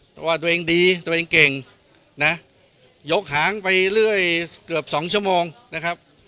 เพราะว่าตัวเองดีตัวเองเก่งนะยกหางไปเรื่อยเกือบสองชั่วโมงนะครับ